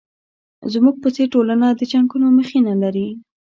زموږ په څېر ټولنه د جنګونو مخینه لري.